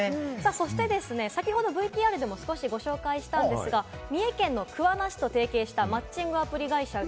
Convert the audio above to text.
そして先ほどＶＴＲでも少しご紹介したんですが、三重県の桑名市と提携したマッチングアプリ会社。